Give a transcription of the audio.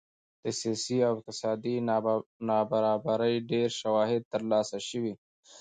د سیاسي او اقتصادي نابرابرۍ ډېر شواهد ترلاسه شوي